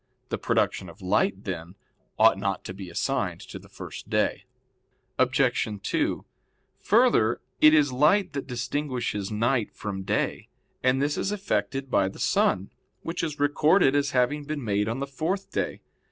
The production of light, then, ought not to be assigned to the first day. Obj. 2: Further, it is light that distinguishes night from day, and this is effected by the sun, which is recorded as having been made on the fourth day.